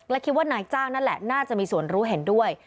และคิดว่านายจ้างนั่นแหละน่าจะมีส่วนรู้เห็นด้วย